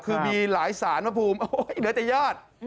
คือมีหลายสารพระภูมิโอ้ยเหลือแต่ญาติ